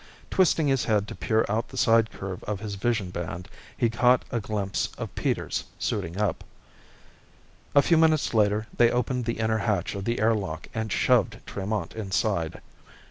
Twisting his head to peer out the side curve of his vision band, he caught a glimpse of Peters suiting up. A few minutes later, they opened the inner hatch of the air lock and shoved Tremont inside.